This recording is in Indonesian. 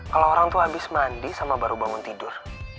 kalau orang tuh abis mandi sama baru bangun tidur